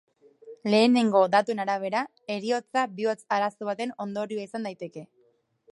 Lehenego datuen arabera, heriotza bihotz arazo baten ondorioa izan daiteke.